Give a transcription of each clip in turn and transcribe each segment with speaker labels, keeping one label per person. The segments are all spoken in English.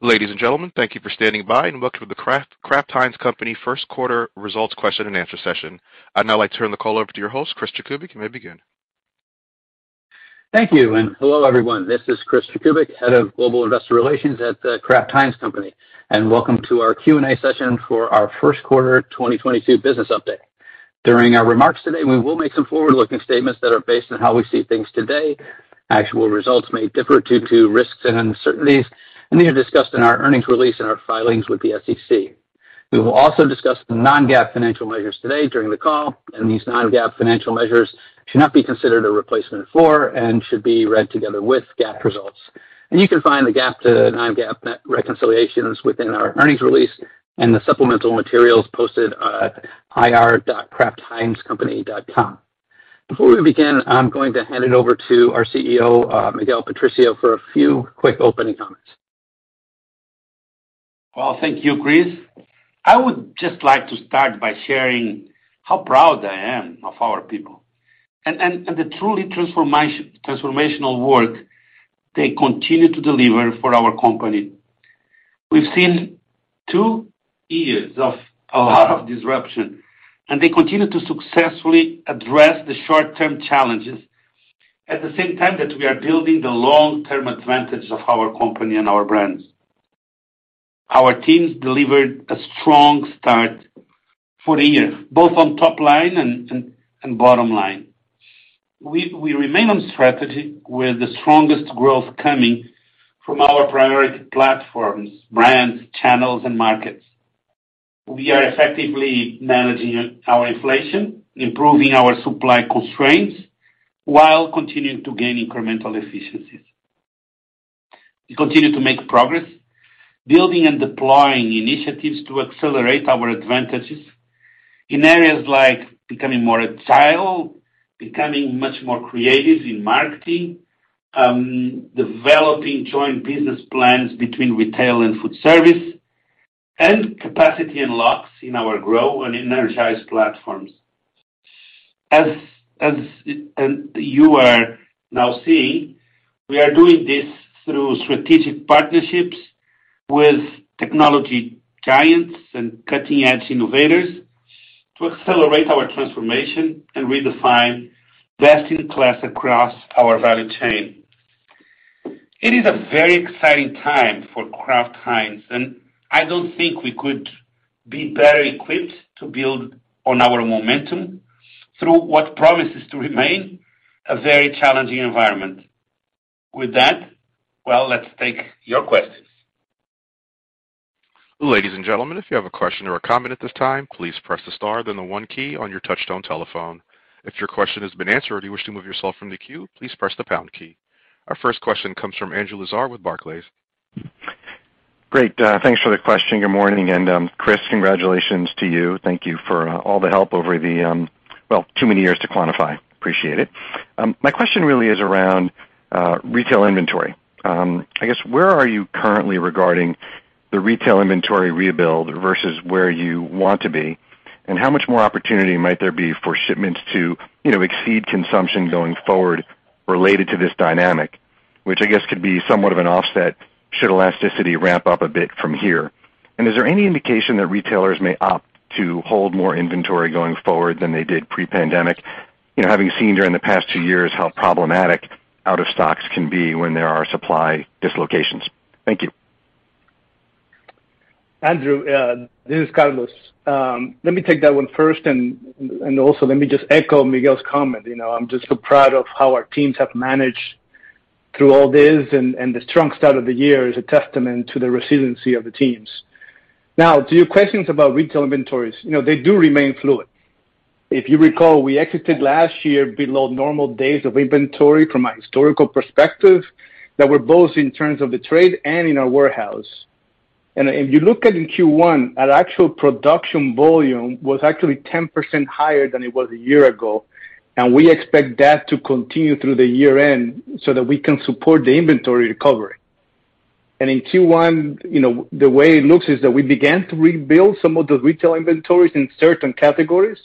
Speaker 1: Ladies and gentlemen, thank you for standing by, and welcome to The Kraft Heinz Company first quarter results question and answer session. I'd now like to turn the call over to your host, Chris Jakubik. You may begin.
Speaker 2: Thank you, and hello, everyone. This is Chris Jakubik, Head of Global Investor Relations at The Kraft Heinz Company. Welcome to our Q&A session for our Q1 2022 business update. During our remarks today, we will make some forward-looking statements that are based on how we see things today. Actual results may differ due to risks and uncertainties, and these are discussed in our earnings release and our filings with the SEC. We will also discuss the non-GAAP financial measures today during the call, and these non-GAAP financial measures should not be considered a replacement for and should be read together with GAAP results. You can find the GAAP to non-GAAP net reconciliations within our earnings release and the supplemental materials posted at ir.kraftheinzcompany.com. Before we begin, I'm going to hand it over to our CEO, Miguel Patricio, for a few quick opening comments.
Speaker 3: Well, thank you, Chris. I would just like to start by sharing how proud I am of our people and the truly transformational work they continue to deliver for our company. We've seen two years of a lot of disruption, and they continue to successfully address the short-term challenges at the same time that we are building the long-term advantage of our company and our brands. Our teams delivered a strong start for the year, both on top line and bottom line. We remain on strategy with the strongest growth coming from our priority platforms, brands, channels, and markets. We are effectively managing our inflation, improving our supply constraints while continuing to gain incremental efficiencies. We continue to make progress building and deploying initiatives to accelerate our advantages in areas like becoming more agile, becoming much more creative in marketing, developing joint business plans between retail and food service, and capacity unlocks in our grow and energized platforms. As you are now seeing, we are doing this through strategic partnerships with technology giants and cutting-edge innovators to accelerate our transformation and redefine best in class across our value chain. It is a very exciting time for Kraft Heinz, and I don't think we could be better equipped to build on our momentum through what promises to remain a very challenging environment. With that, well, let's take your questions.
Speaker 1: Ladies and gentlemen, if you have a question or a comment at this time, please press the star, then the one key on your touchtone telephone. If your question has been answered or you wish to move yourself from the queue, please press the pound key. Our first question comes from Andrew Lazar with Barclays.
Speaker 4: Great. Thanks for the question. Good morning. Chris, congratulations to you. Thank you for all the help over the, well, too many years to quantify. Appreciate it. My question really is around retail inventory. I guess, where are you currently regarding the retail inventory rebuild versus where you want to be? How much more opportunity might there be for shipments to, you know, exceed consumption going forward related to this dynamic, which I guess could be somewhat of an offset should elasticity ramp up a bit from here. Is there any indication that retailers may opt to hold more inventory going forward than they did pre-pandemic, you know, having seen during the past two years how problematic out of stocks can be when there are supply dislocations? Thank you.
Speaker 5: Andrew, this is Carlos. Let me take that one first, and also let me just echo Miguel's comment. You know, I'm just so proud of how our teams have managed through all this, and the strong start of the year is a testament to the resiliency of the teams. Now, to your questions about retail inventories, you know, they do remain fluid. If you recall, we exited last year below normal days of inventory from a historical perspective that were both in terms of the trade and in our warehouse. If you look at in Q1, our actual production volume was actually 10% higher than it was a year ago, and we expect that to continue through the year-end so that we can support the inventory recovery. In Q1, you know, the way it looks is that we began to rebuild some of those retail inventories in certain categories.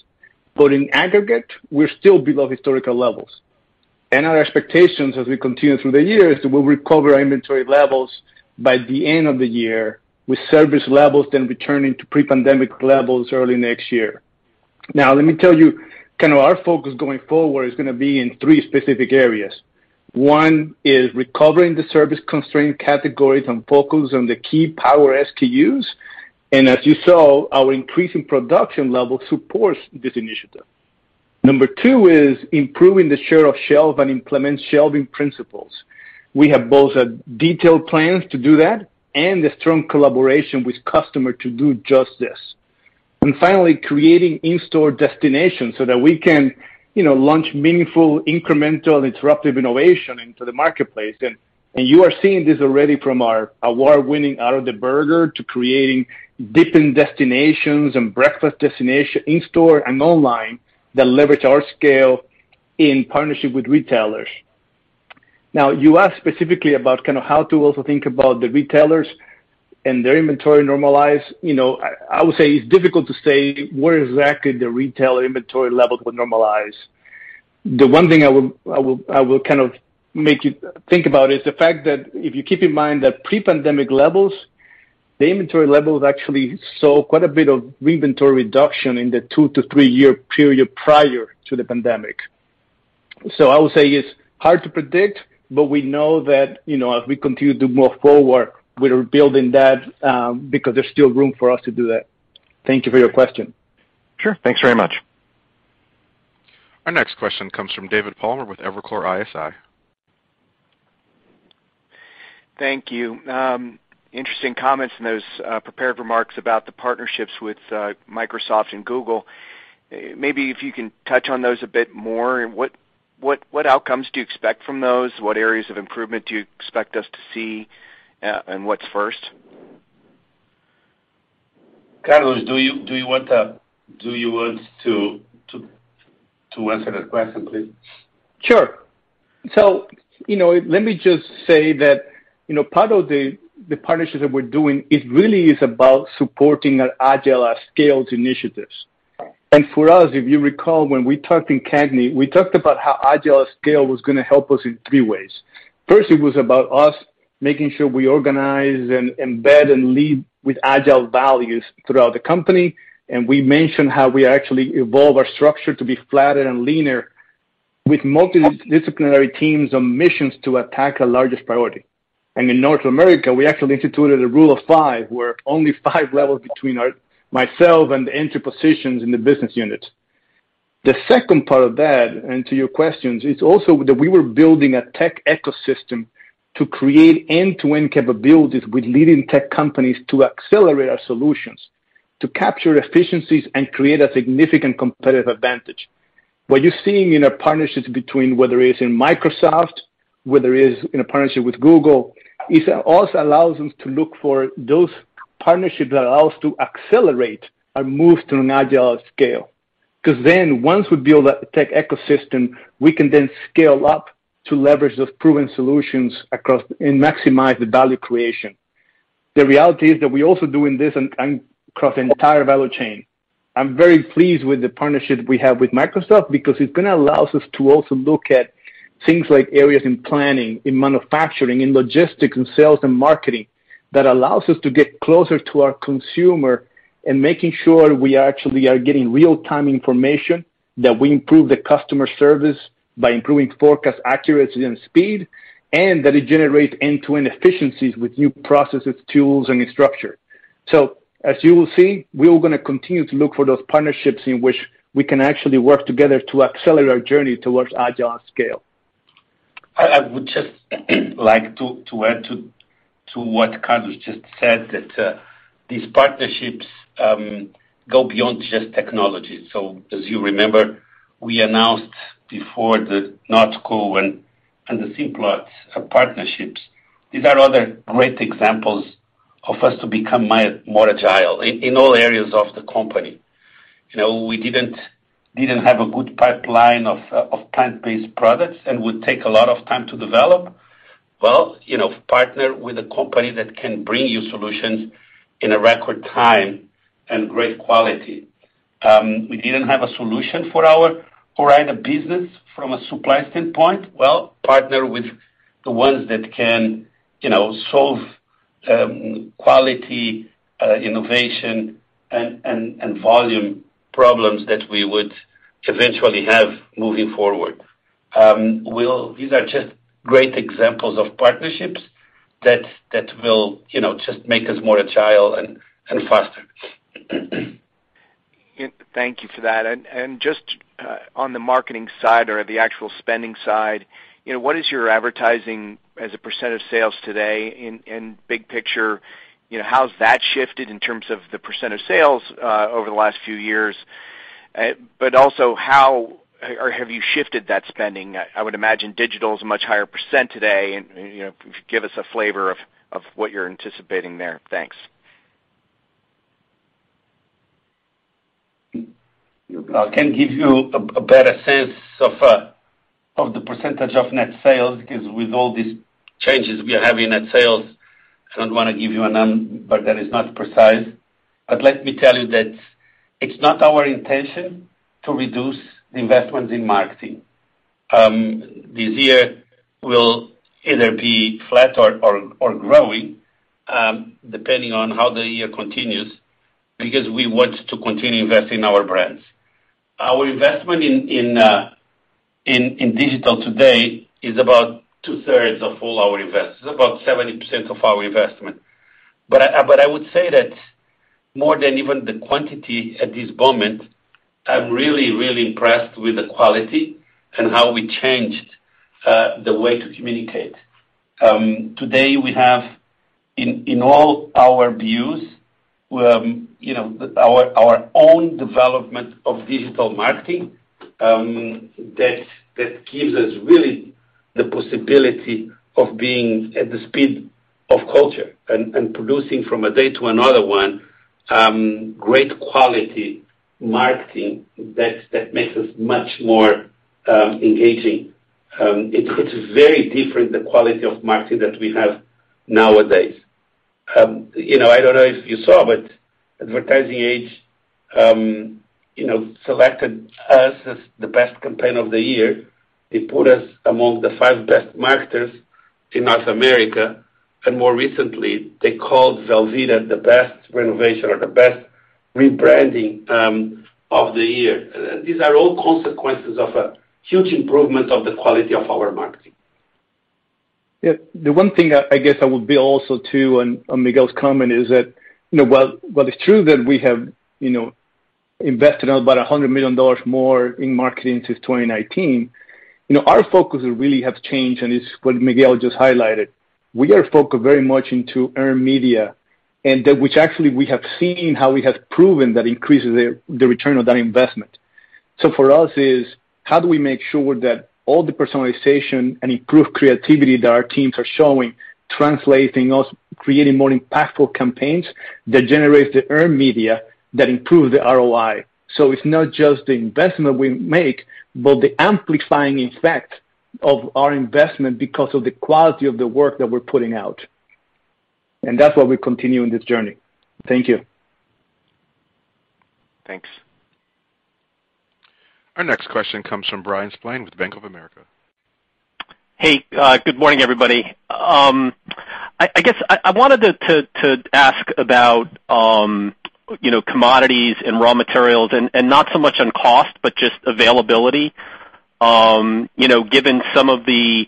Speaker 5: In aggregate, we're still below historical levels. Our expectations as we continue through the year is that we'll recover our inventory levels by the end of the year, with service levels then returning to pre-pandemic levels early next year. Now, let me tell you, kind of our focus going forward is gonna be in three specific areas. One is recovering the service constraint categories and focus on the key power SKUs. And as you saw, our increasing production level supports this initiative. Number two is improving the share of shelf and implement shelving principles. We have both a detailed plans to do that and a strong collaboration with customer to do just this. Finally, creating in-store destinations so that we can, you know, launch meaningful, incremental, disruptive innovation into the marketplace. You are seeing this already from our award-winning Out of the Burger to creating different destinations and breakfast destination in store and online that leverage our scale in partnership with retailers. Now you asked specifically about kind of how to also think about the retailers and their inventory normalization. You know, I would say it's difficult to say where exactly the retailer inventory levels would normalize. The one thing I will kind of make you think about is the fact that if you keep in mind that pre-pandemic levels, the inventory levels actually saw quite a bit of re-inventory reduction in the 2 to3-year period prior to the pandemic. I would say it's hard to predict, but we know that, you know, as we continue to move forward, we're building that, because there's still room for us to do that. Thank you for your question.
Speaker 4: Sure. Thanks very much.
Speaker 1: Our next question comes from David Palmer with Evercore ISI.
Speaker 6: Thank you. Interesting comments in those prepared remarks about the partnerships with Microsoft and Google. Maybe if you can touch on those a bit more. What outcomes do you expect from those? What areas of improvement do you expect us to see? What's first?
Speaker 3: Carlos, do you want to answer that question, please?
Speaker 5: Sure. You know, let me just say that, you know, part of the partnerships that we're doing is really about supporting our agile at scale initiatives. For us, if you recall, when we talked in CAGNY, we talked about how agile at scale was gonna help us in three ways. First, it was about us making sure we organize and embed and lead with agile values throughout the company. We mentioned how we actually evolve our structure to be flatter and leaner with multidisciplinary teams on missions to attack our largest priority. In North America, we actually instituted a rule of five, where only five levels between myself and the entry positions in the business unit. The second part of that, and to your questions, is also that we were building a tech ecosystem to create end-to-end capabilities with leading tech companies to accelerate our solutions, to capture efficiencies and create a significant competitive advantage. What you're seeing in our partnerships between whether it's in Microsoft, whether it is in a partnership with Google, is also allows us to look for those partnerships that allow us to accelerate our move to an agile at scale. Because then once we build a tech ecosystem, we can then scale up to leverage those proven solutions across and maximize the value creation. The reality is that we're also doing this across the entire value chain. I'm very pleased with the partnership we have with Microsoft because it's gonna allow us to also look at things like areas in planning, in manufacturing, in logistics, in sales and marketing that allows us to get closer to our consumer and making sure we actually are getting real-time information, that we improve the customer service by improving forecast accuracy and speed, and that it generates end-to-end efficiencies with new processes, tools, and structure. As you will see, we're gonna continue to look for those partnerships in which we can actually work together to accelerate our journey towards agile at scale.
Speaker 3: I would just like to add to what Carlos just said, that these partnerships go beyond just technology. As you remember, we announced before the NotCo and the Simplot partnerships. These are other great examples of us to become more agile in all areas of the company. You know, we didn't have a good pipeline of plant-based products, and would take a lot of time to develop. Well, you know, partner with a company that can bring you solutions in a record time and great quality. We didn't have a solution for our line of business from a supply standpoint. Well, partner with the ones that can, you know, solve quality, innovation and volume problems that we would eventually have moving forward. These are just great examples of partnerships that will, you know, just make us more agile and faster.
Speaker 6: Thank you for that. Just on the marketing side or the actual spending side, you know, what is your advertising as a % of sales today? Big picture, you know, how has that shifted in terms of the % of sales over the last few years? But also how or have you shifted that spending? I would imagine digital is a much higher % today, and, you know, give us a flavor of what you're anticipating there. Thanks.
Speaker 3: I can give you a better sense of the percentage of net sales, because with all these changes we are having net sales. I don't wanna give you a number, but that is not precise. Let me tell you that it's not our intention to reduce the investments in marketing. This year will either be flat or growing, depending on how the year continues, because we want to continue investing in our brands. Our investment in digital today is about two-thirds of all our investments. It's about 70% of our investment. I would say that more than even the quantity at this moment, I'm really impressed with the quality and how we changed the way to communicate. Today we have in all our views, you know, our own development of digital marketing, that gives us really the possibility of being at the speed of culture and producing from a day to another one, great quality marketing that makes us much more engaging. It's very different, the quality of marketing that we have nowadays. You know, I don't know if you saw, but Ad Age, you know, selected us as the best campaign of the year. They put us among the five best marketers in North America, and more recently, they called Velveeta the best renovation or the best rebranding, of the year. These are all consequences of a huge improvement of the quality of our marketing.
Speaker 5: Yeah. The one thing I guess I would build also to on Miguel's comment is that, you know, while it's true that we have, you know, invested about $100 million more in marketing to 2019, you know, our focus really has changed, and it's what Miguel just highlighted. We are focused very much on earned media, and that which actually we have seen how we have proven that increases the return on that investment. For us is how do we make sure that all the personalization and improved creativity that our teams are showing translates to creating more impactful campaigns that generates the earned media that improve the ROI. It's not just the investment we make, but the amplifying effect of our investment because of the quality of the work that we're putting out. That's why we continue in this journey. Thank you.
Speaker 3: Thanks.
Speaker 1: Our next question comes from Bryan Spillane with Bank of America.
Speaker 7: Good morning, everybody. I guess I wanted to ask about, you know, commodities and raw materials and not so much on cost, but just availability. You know, given some of the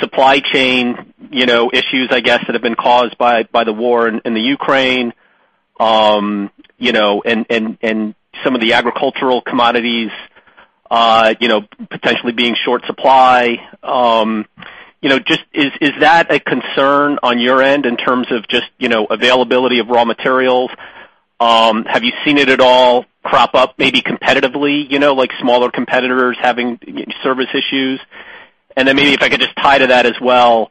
Speaker 7: supply chain, you know, issues, I guess, that have been caused by the war in Ukraine, you know, and some of the agricultural commodities, you know, potentially being in short supply. Is that a concern on your end in terms of just, you know, availability of raw materials? Have you seen it at all crop up maybe competitively, you know, like smaller competitors having service issues? Maybe if I could just tie to that as well,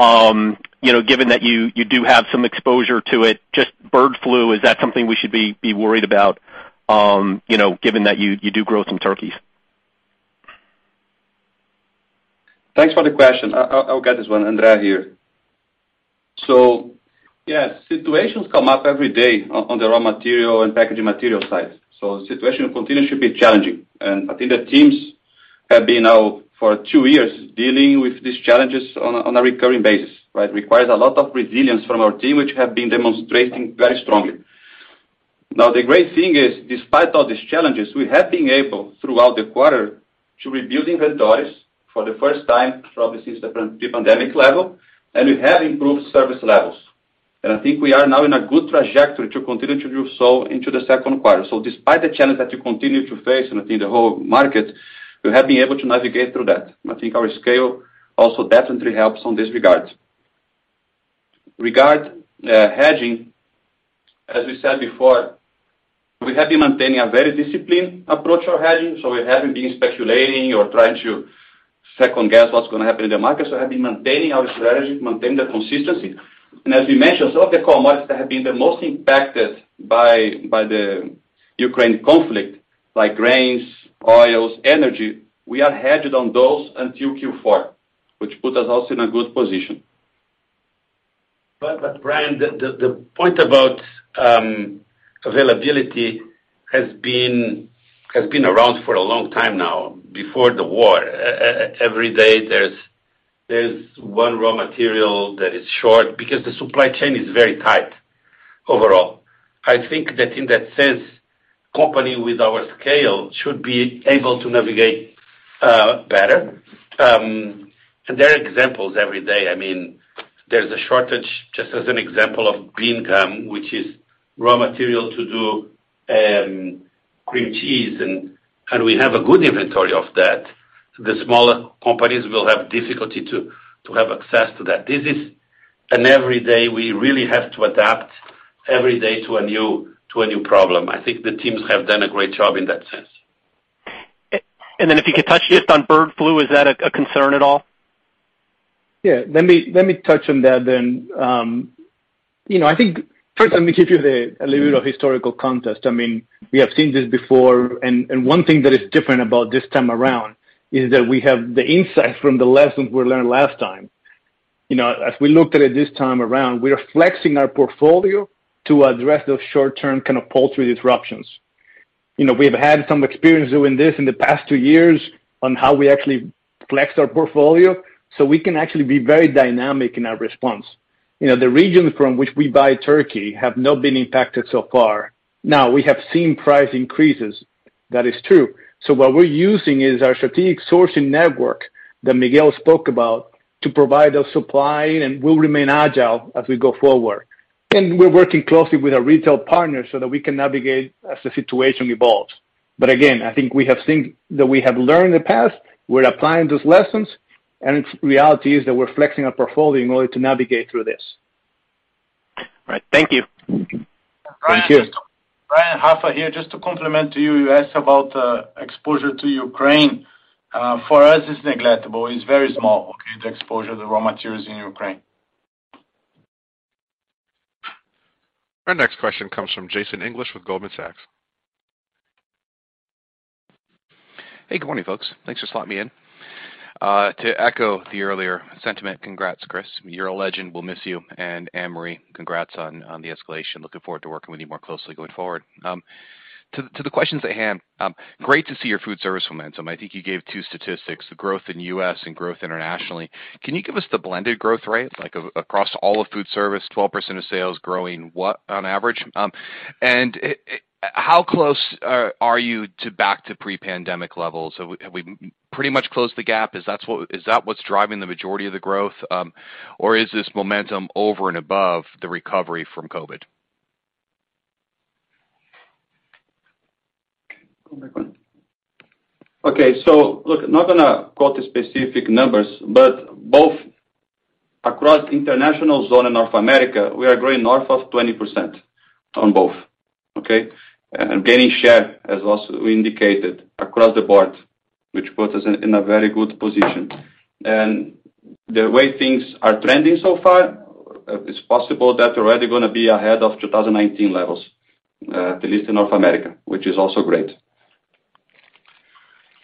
Speaker 7: you know, given that you do have some exposure to it, just bird flu, is that something we should be worried about, you know, given that you do grow some turkeys?
Speaker 8: Thanks for the question. I'll get this one. Andre here. Yes, situations come up every day on the raw material and packaging material side. The situation continues to be challenging. I think the teams have been now for two years dealing with these challenges on a recurring basis, right? Requires a lot of resilience from our team, which have been demonstrating very strongly. Now the great thing is, despite all these challenges, we have been able throughout the quarter to rebuild inventories for the first time probably since the pre-pandemic level, and we have improved service levels. I think we are now in a good trajectory to continue to do so into the second quarter. Despite the challenge that we continue to face and I think the whole market, we have been able to navigate through that. I think our scale also definitely helps on this regard. Hedging, as we said before, we have been maintaining a very disciplined approach to hedging, so we haven't been speculating or trying to second-guess what's gonna happen in the market. We have been maintaining our strategy to maintain the consistency. As we mentioned, some of the commodities that have been the most impacted by the Ukraine conflict, like grains, oils, energy, we are hedged on those until Q4, which put us also in a good position.
Speaker 3: Bryan, the point about availability has been around for a long time now, before the war. Every day there's one raw material that is short because the supply chain is very tight overall. I think that in that sense, company with our scale should be able to navigate better. There are examples every day. I mean, there's a shortage, just as an example of guar gum, which is raw material to do cream cheese and we have a good inventory of that. The smaller companies will have difficulty to have access to that. This is every day we really have to adapt every day to a new problem. I think the teams have done a great job in that sense.
Speaker 7: If you could touch just on bird flu, is that a concern at all?
Speaker 5: Yeah. Let me touch on that then. You know, I think first let me give you a little bit of historical context. I mean, we have seen this before, and one thing that is different about this time around is that we have the insight from the lessons we learned last time. You know, as we looked at it this time around, we are flexing our portfolio to address those short-term kind of poultry disruptions. You know, we have had some experience doing this in the past two years on how we actually flexed our portfolio, so we can actually be very dynamic in our response. You know, the regions from which we buy turkey have not been impacted so far. Now, we have seen price increases, that is true. What we're using is our strategic sourcing network that Miguel spoke about to provide those supply and will remain agile as we go forward. We're working closely with our retail partners so that we can navigate as the situation evolves. Again, I think we have seen that we have learned in the past, we're applying those lessons, and reality is that we're flexing our portfolio in order to navigate through this.
Speaker 7: Right. Thank you.
Speaker 5: Thank you.
Speaker 9: Brian, Rafa here. Just to comment to you asked about exposure to Ukraine. For us, it's negligible. It's very small, okay, the exposure to raw materials in Ukraine.
Speaker 1: Our next question comes from Jason English with Goldman Sachs.
Speaker 10: Hey, good morning, folks. Thanks for slotting me in. To echo the earlier sentiment, congrats, Chris. You're a legend. We'll miss you. Anne-Marie Megela, congrats on the escalation. Looking forward to working with you more closely going forward. To the questions at hand, great to see your food service momentum. I think you gave two statistics, the growth in US and growth internationally. Can you give us the blended growth rate, like across all of food service, 12% of sales growing what on average? How close are you to back to pre-pandemic levels? Have we pretty much closed the gap? Is that what's driving the majority of the growth, or is this momentum over and above the recovery from COVID?
Speaker 8: Okay. Look, I'm not gonna quote the specific numbers, but both across International Zone and North America, we are growing north of 20% on both. Okay? Gaining share, as we also indicated, across the board, which puts us in a very good position. The way things are trending so far, it's possible that we're already gonna be ahead of 2019 levels, at least in North America, which is also great.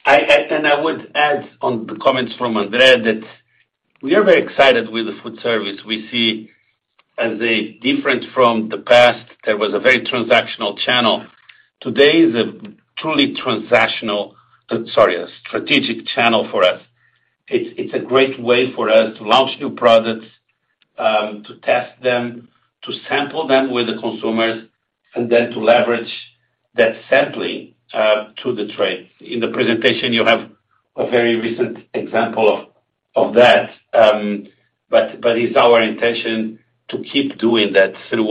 Speaker 3: I would add on the comments from Andre that we are very excited with the food service. We see as a difference from the past, there was a very transactional channel. Today is a strategic channel for us. It's a great way for us to launch new products, to test them, to sample them with the consumers, and then to leverage that sampling to the trade. In the presentation, you have a very recent example of that, but it's our intention to keep doing that through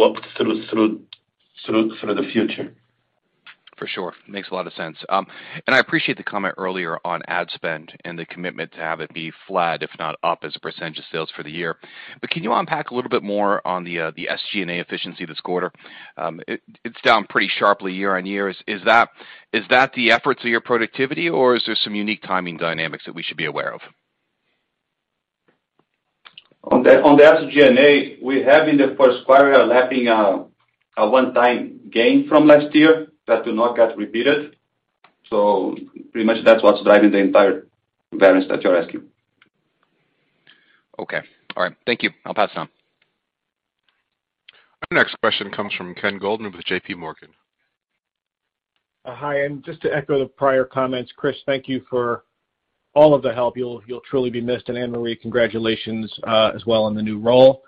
Speaker 3: the future.
Speaker 10: For sure. Makes a lot of sense. I appreciate the comment earlier on ad spend and the commitment to have it be flat, if not up as a percentage of sales for the year. Can you unpack a little bit more on the SG&A efficiency this quarter? It's down pretty sharply year-over-year. Is that the effects of your productivity or is there some unique timing dynamics that we should be aware of?
Speaker 8: On the SG&A, we have in the first quarter lapping a one-time gain from last year that do not get repeated. Pretty much that's what's driving the entire variance that you're asking.
Speaker 10: Okay. All right. Thank you. I'll pass it on.
Speaker 1: Our next question comes from Ken Goldman with JP Morgan.
Speaker 11: Hi, just to echo the prior comments, Chris, thank you for all of the help. You'll truly be missed. Anne-Marie Megela, congratulations, as well on the new role.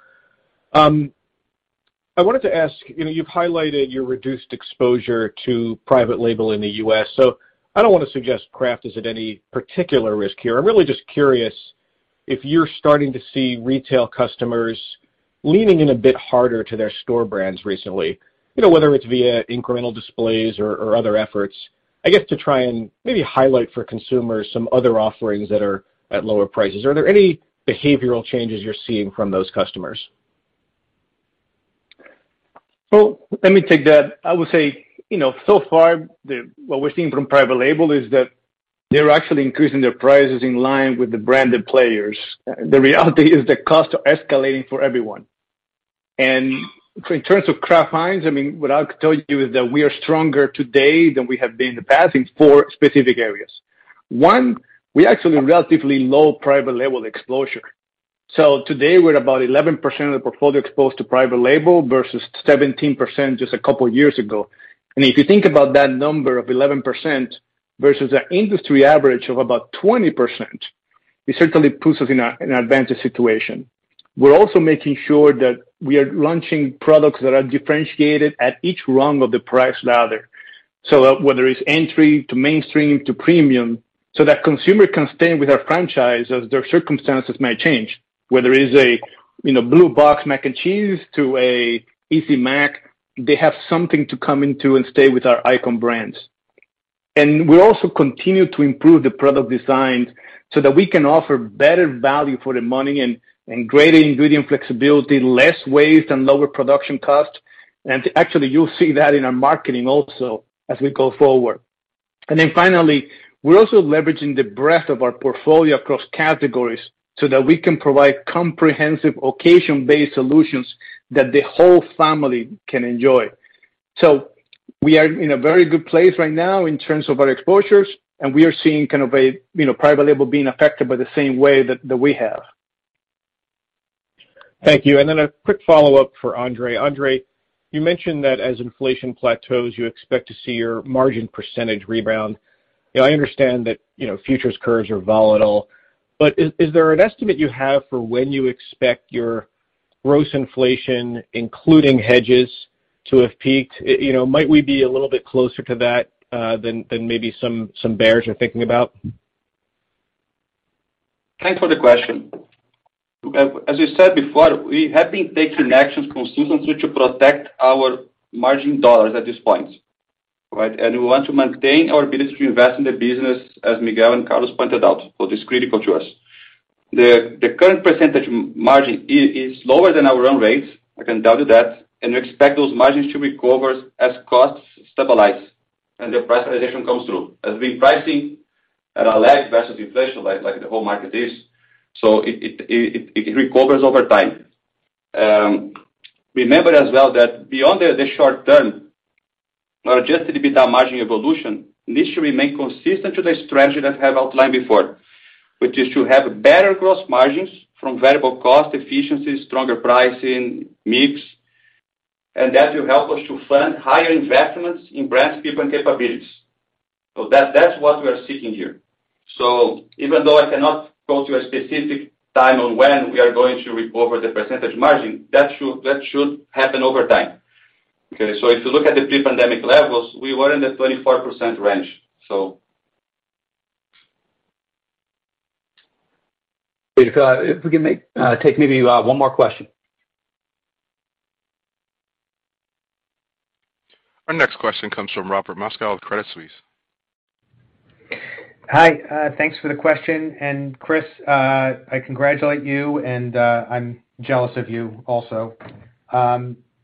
Speaker 11: I wanted to ask, you know, you've highlighted your reduced exposure to private label in the US, so I don't want to suggest Kraft is at any particular risk here. I'm really just curious if you're starting to see retail customers leaning in a bit harder to their store brands recently, you know, whether it's via incremental displays or other efforts, I guess, to try and maybe highlight for consumers some other offerings that are at lower prices. Are there any behavioral changes you're seeing from those customers?
Speaker 5: Let me take that. I would say, you know, so far what we're seeing from private label is that they're actually increasing their prices in line with the branded players. The reality is the cost are escalating for everyone. In terms of Kraft Heinz, I mean, what I can tell you is that we are stronger today than we have been in the past in four specific areas. One, we actually have relatively low private label exposure. Today we're about 11% of the portfolio exposed to private label versus 17% just a couple years ago. If you think about that number of 11% versus an industry average of about 20%, it certainly puts us in an advantage situation. We're also making sure that we are launching products that are differentiated at each rung of the price ladder. Whether it's entry to mainstream to premium, so that consumer can stay with our franchise as their circumstances may change. Whether it is a, you know, blue box mac and cheese to a Easy Mac, they have something to come into and stay with our iconic brands. We also continue to improve the product design so that we can offer better value for the money and greater ingredient flexibility, less waste and lower production costs. Actually, you'll see that in our marketing also as we go forward. Finally, we're also leveraging the breadth of our portfolio across categories so that we can provide comprehensive occasion-based solutions that the whole family can enjoy. We are in a very good place right now in terms of our exposures, and we are seeing kind of a, you know, private label being affected by the same way that we have.
Speaker 11: Thank you. Then a quick follow-up for Andre. Andre, you mentioned that as inflation plateaus, you expect to see your margin percentage rebound. You know, I understand that, you know, futures curves are volatile, but is there an estimate you have for when you expect your gross inflation, including hedges to have peaked? You know, might we be a little bit closer to that than maybe some bears are thinking about?
Speaker 8: Thanks for the question. As you said before, we have been taking actions consistently to protect our margin dollars at this point, right? We want to maintain our ability to invest in the business, as Miguel and Carlos pointed out, because it's critical to us. The current percentage margin is lower than our run rates, I can tell you that. We expect those margins to recover as costs stabilize and the price realization comes through. We're pricing at a lag versus inflation like the whole market is, so it recovers over time. Remember as well that beyond the short term, our adjusted EBITDA margin evolution needs to remain consistent to the strategy that I have outlined before. Which is to have better gross margins from variable cost efficiency, stronger pricing, mix, and that will help us to fund higher investments in brand, people, and capabilities. That's what we are seeking here. Even though I cannot go to a specific time on when we are going to recover the percentage margin, that should happen over time. Okay. If you look at the pre-pandemic levels, we were in the 24% range, so.
Speaker 2: Peter, if we can take maybe one more question.
Speaker 1: Our next question comes from Robert Moskow with Credit Suisse.
Speaker 12: Hi, thanks for the question. Chris, I congratulate you. I'm jealous of you also.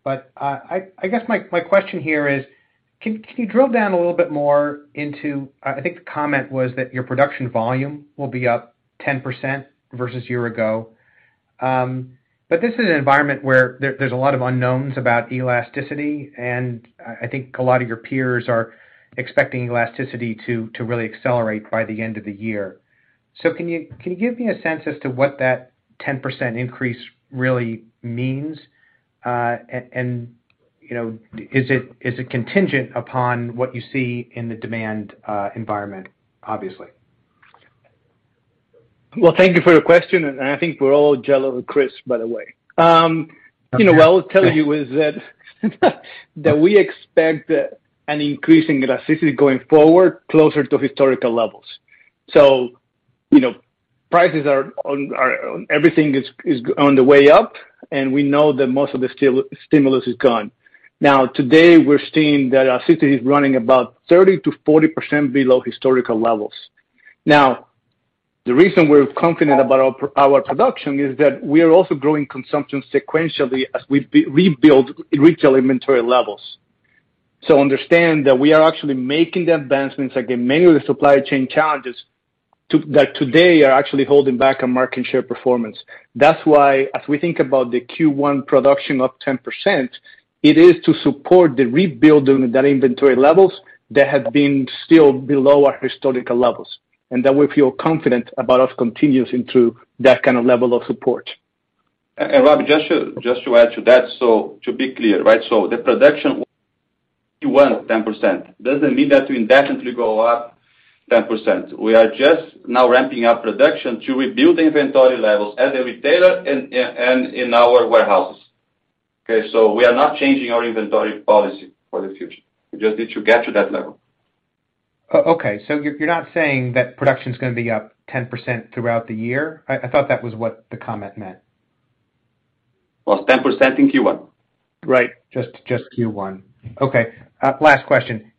Speaker 12: I guess my question here is can you drill down a little bit more into I think the comment was that your production volume will be up 10% versus year ago. This is an environment where there's a lot of unknowns about elasticity, and I think a lot of your peers are expecting elasticity to really accelerate by the end of the year. Can you give me a sense as to what that 10% increase really means? You know, is it contingent upon what you see in the demand environment, obviously?
Speaker 5: Well, thank you for your question, and I think we're all jealous of Chris, by the way. You know, what I'll tell you is that we expect an increase in elasticity going forward closer to historical levels. You know, prices are on the way up, and everything is on the way up, and we know that most of the stimulus is gone. Now, today, we're seeing that our capacity is running about 30%-40% below historical levels. Now, the reason we're confident about our production is that we are also growing consumption sequentially as we rebuild retail inventory levels. Understand that we are actually making the advancements against many of the supply chain challenges that today are actually holding back our market share performance. That's why as we think about the Q1 production up 10%, it is to support the rebuilding of that inventory levels that have been still below our historical levels. That we feel confident about us continuing through that kind of level of support.
Speaker 8: Rob, just to add to that, to be clear, right? The production Q1 10% doesn't mean that we indefinitely go up 10%. We are just now ramping up production to rebuild the inventory levels at a retailer and in our warehouses. Okay? We are not changing our inventory policy for the future. It's just that you get to that level.
Speaker 12: Okay, you're not saying that production's gonna be up 10% throughout the year? I thought that was what the comment meant.
Speaker 8: Well, it's 10% in Q1.
Speaker 12: Right. Just Q1. Okay. Last question.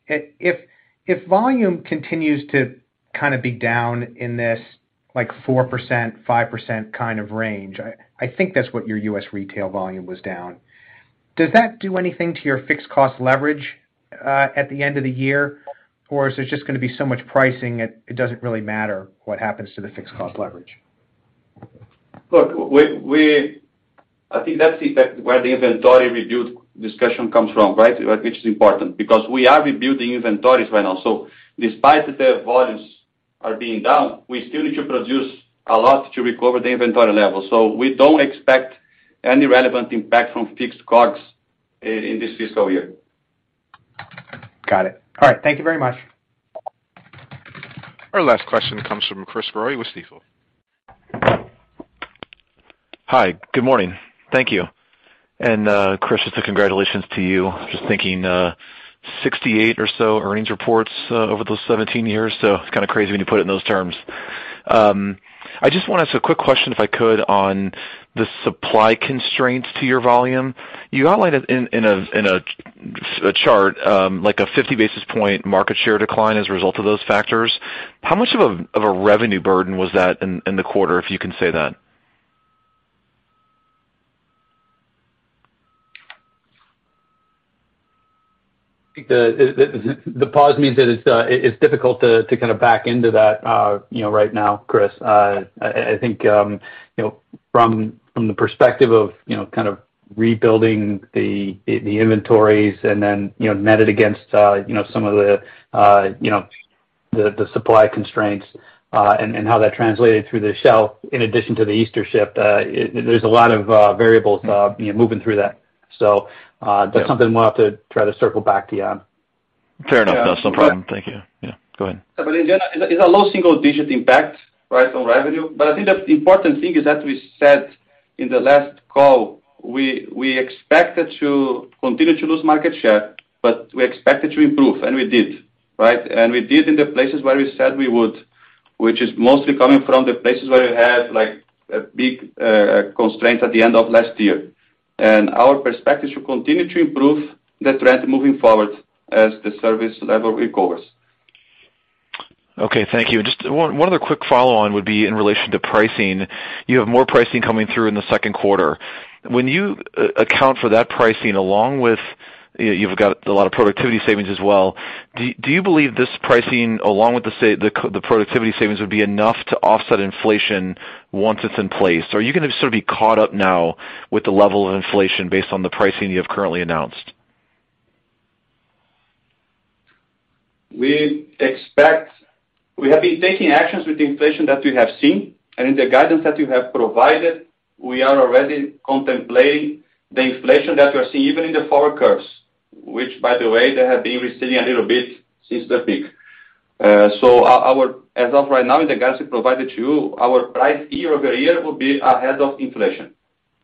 Speaker 12: If volume continues to kind of be down in this, like, 4%-5% kind of range, I think that's what your U.S. retail volume was down. Does that do anything to your fixed cost leverage at the end of the year? Or is there just gonna be so much pricing it doesn't really matter what happens to the fixed cost leverage?
Speaker 8: Look, I think that's, in fact, where the inventory rebuild discussion comes from, right? Which is important because we are rebuilding inventories right now. Despite that the volumes are being down, we still need to produce a lot to recover the inventory level. We don't expect any relevant impact from fixed costs in this fiscal year.
Speaker 12: Got it. All right. Thank you very much.
Speaker 1: Our last question comes from Chris Growe with Stifel.
Speaker 13: Hi, good morning. Thank you. Chris, just a congratulations to you. Just thinking, 68 or so earnings reports over those 17 years, so it's kinda crazy when you put it in those terms. I just wanna ask a quick question, if I could, on the supply constraints to your volume. You outlined it in a chart, like a 50 basis point market share decline as a result of those factors. How much of a revenue burden was that in the quarter, if you can say that?
Speaker 5: The pause means that it's difficult to kind of back into that, you know, right now, Chris. I think, you know, from the perspective of, you know, kind of rebuilding the inventories and then, you know, netted against, you know, some of the, you know, the supply constraints, and how that translated through the shelf in addition to the Easter shift, there's a lot of variables, you know, moving through that. That's something we'll have to try to circle back to you on.
Speaker 13: Fair enough. No, it's no problem. Thank you. Yeah, go ahead.
Speaker 8: In general, it's a low single digit impact, right, on revenue. I think the important thing is that we said in the last call, we expected to continue to lose market share, but we expected to improve, and we did, right? We did in the places where we said we would, which is mostly coming from the places where we had, like, a big constraint at the end of last year. Our perspective should continue to improve the trend moving forward as the service level recovers.
Speaker 13: Okay. Thank you. Just one other quick follow-on would be in relation to pricing. You have more pricing coming through in the second quarter. When you account for that pricing, along with. You've got a lot of productivity savings as well. Do you believe this pricing, along with the productivity savings, would be enough to offset inflation once it's in place? Or are you gonna sort of be caught up now with the level of inflation based on the pricing you have currently announced?
Speaker 3: We have been taking actions with inflation that we have seen, and in the guidance that we have provided, we are already contemplating the inflation that we are seeing even in the forward curves, which, by the way, they have been receding a little bit since their peak. As of right now in the guidance we provided to you, our price year-over-year will be ahead of inflation.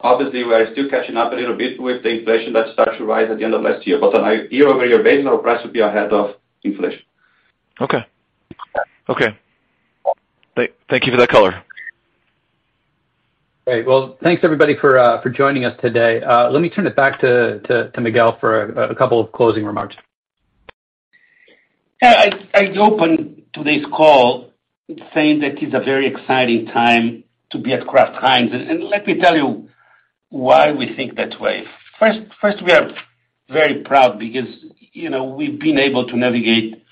Speaker 3: Obviously, we are still catching up a little bit with the inflation that started to rise at the end of last year. On a year-over-year basis, our price will be ahead of inflation.
Speaker 13: Okay. Thank you for that color.
Speaker 2: Great. Well, thanks, everybody, for joining us today. Let me turn it back to Miguel for a couple of closing remarks.
Speaker 3: Yeah, I opened today's call saying that it's a very exciting time to be at Kraft Heinz. Let me tell you why we think that way. First, we are very proud because, you know, we've been able to navigate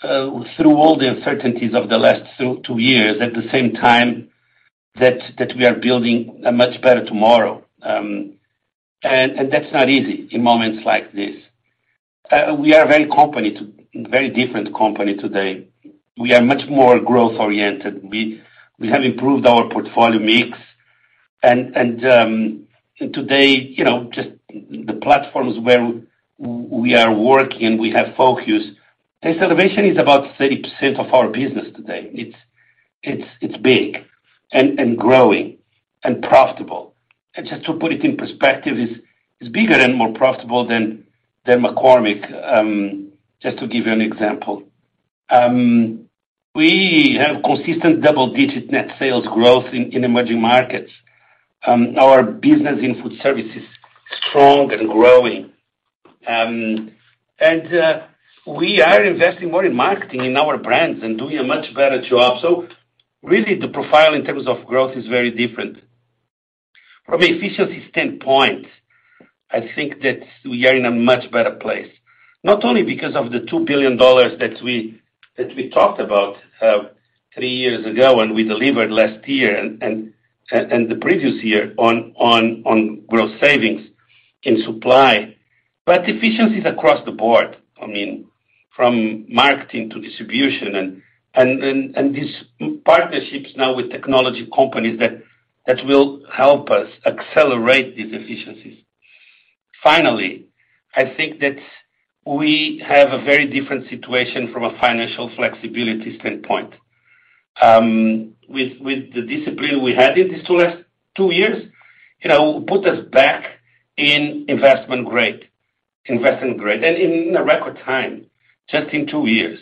Speaker 3: through all the uncertainties of the last two years at the same time that we are building a much better tomorrow. And that's not easy in moments like this. We are a very different company today. We are much more growth oriented. We have improved our portfolio mix and, today, you know, just the platforms where we are working, we have focus. Taste Elevation is about 30% of our business today. It's big and growing and profitable. Just to put it in perspective, it's bigger and more profitable than McCormick, just to give you an example. We have consistent double-digit net sales growth in emerging markets. Our business in food service is strong and growing. We are investing more in marketing in our brands and doing a much better job. Really the profile in terms of growth is very different. From an efficiencies standpoint, I think that we are in a much better place, not only because of the $2 billion that we talked about three years ago and we delivered last year and the previous year on gross savings in supply, but efficiencies across the board. I mean, from marketing to distribution and these partnerships now with technology companies that will help us accelerate these efficiencies. Finally, I think that we have a very different situation from a financial flexibility standpoint. With the discipline we had in these last two years, you know, put us back in investment grade and in a record time, just in two years.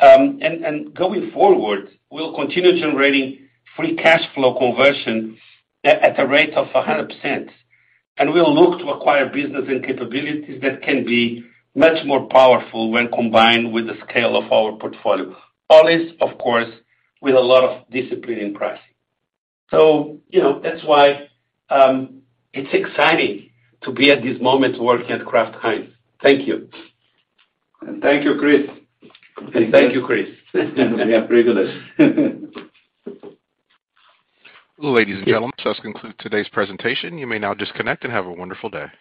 Speaker 3: Going forward, we'll continue generating free cash flow conversion at a rate of 100%, and we'll look to acquire business and capabilities that can be much more powerful when combined with the scale of our portfolio. All this, of course, with a lot of discipline in pricing. You know, that's why it's exciting to be at this moment working at Kraft Heinz. Thank you. Thank you, Chris. Thank you, Chris. We appreciate it.
Speaker 1: Ladies and gentlemen, this concludes today's presentation. You may now disconnect and have a wonderful day.